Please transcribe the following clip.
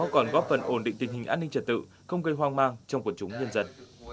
còn góp phần ổn định tình hình an ninh trật tự không gây hoang mang trong quần chúng nhân dân